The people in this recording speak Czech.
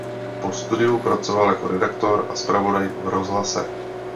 Po studiu pracoval jako redaktor a zpravodaj v rozhlase.